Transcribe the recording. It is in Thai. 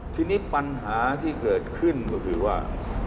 ทีนี้ปัญหาที่เกิดขึ้นก็คือว่า